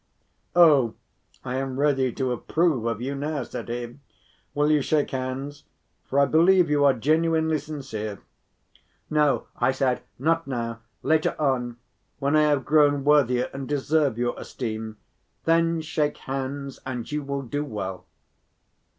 "Oh, I am ready to approve of you now," said he; "will you shake hands? for I believe you are genuinely sincere." "No," I said, "not now, later on when I have grown worthier and deserve your esteem, then shake hands and you will do well."